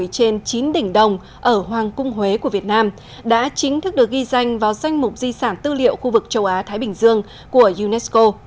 trên chín đỉnh đồng ở hoàng cung huế của việt nam đã chính thức được ghi danh vào danh mục di sản tư liệu khu vực châu á thái bình dương của unesco